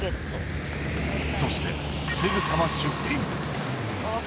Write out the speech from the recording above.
そして、すぐさま出品。